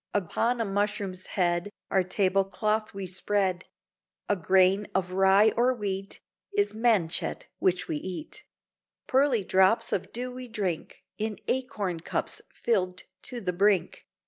Upon a mushroom's head Our table cloth we spread; A grain of rye or wheat Is manchet which we eat; Pearly drops of dew we drink In acorn cups filled to the brink.